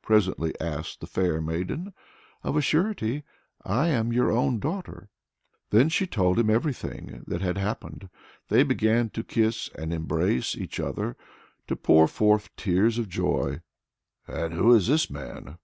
presently asks the fair maiden. "Of a surety I am your own daughter." Then she told him everything that had happened. They began to kiss and embrace each other, to pour forth tears of joy. "And who is this man?"